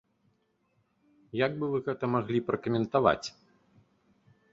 Як бы вы гэта маглі пракаментаваць?